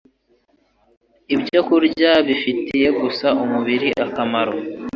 ibyokurya bifitiye gusa umubiri akamaro,